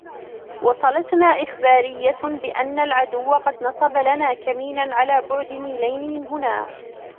وصلتنا إخبارية بأن العدو قد نصب لنا كميناً على بعد ميلين من هنا.